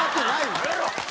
やめろ！